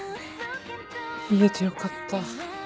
言えてよかった。